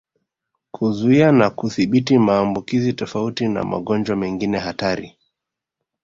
"Kuzuia na kudhibiti maambukizi tofauti na magonjwa mengine hatari"